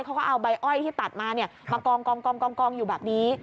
เขาก็เอาใบอ้อยที่ตัดมามากองอยู่แบบนี้